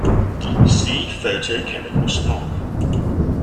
See photochemical smog.